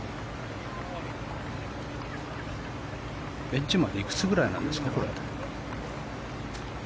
エッジまでいくつぐらいなんですか？